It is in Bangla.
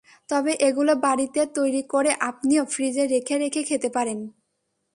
তবে এগুলো বাড়িতে তৈরি করে আপনিও ফ্রিজে রেখে রেখে খেতে পারেন।